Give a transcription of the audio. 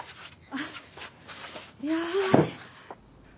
あっいやあ。